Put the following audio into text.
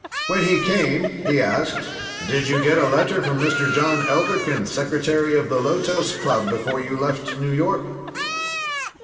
When he came he asked: "Did you get a letter from Mr. John Elderkin, secretary of the Lotos Club, before you left New York?"